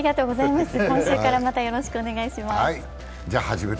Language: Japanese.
今週からまたよろしくお願いします。